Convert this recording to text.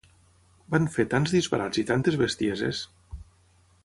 Van fer tants disbarats i tantes bestieses!